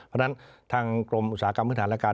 เพราะฉะนั้นทางกรมอุตสาหกรรมพื้นฐานและการ